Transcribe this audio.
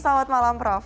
selamat malam prof